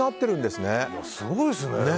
すごいですよね。